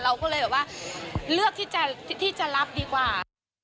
เราก็เลยแบบว่าเลือกที่จะรับดีกว่า